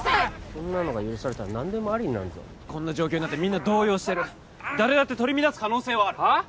こんなのが許されたら何でもありになるぞこんな状況になってみんな動揺してる誰だって取り乱す可能性はあるはっ？